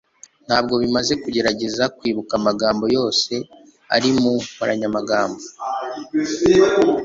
ntabwo bimaze kugerageza kwibuka amagambo yose ari mu nkoranyamagambo